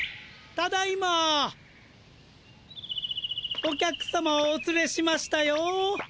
ただいま！お客さまをおつれしましたよ。